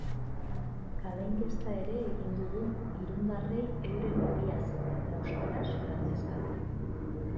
Kale inkesta ere egin dugu irundarrei euren hiriaz eta euskaraz galdezka.